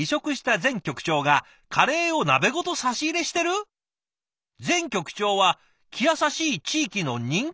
「前局長は気優しい地域の人気者」？